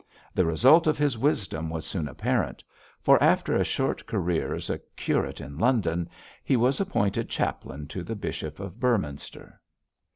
The result of his wisdom was soon apparent, for after a short career as a curate in London, he was appointed chaplain to the Bishop of Beorminster.